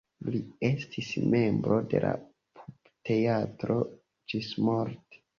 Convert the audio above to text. Li estis membro de la Pupteatro ĝismorte.